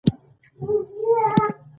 کانديد اکاډميسن عطایي د خپل فکر آزادی وساتله.